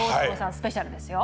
スペシャルですよ。